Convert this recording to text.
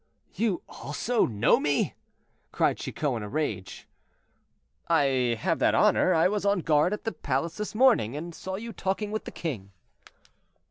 "You also know me?" cried Chicot in a rage. "I have that honor; I was on guard at the palace this morning, and saw you talking with the king."